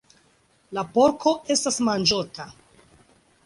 La porko estas manĝota.